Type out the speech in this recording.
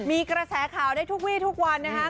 มีกระแสข่าวได้ทุกวีทุกวันนะครับ